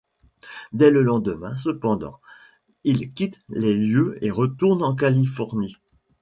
Dès le lendemain cependant, il quitte les lieux et retourne en Californie.